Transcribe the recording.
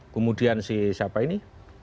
kemudian si siapa ini